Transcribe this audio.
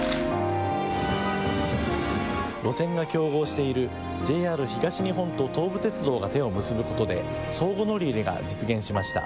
路線が競合しているＪＲ東日本と東武鉄道が手を結ぶことで相互乗り入れが実現しました。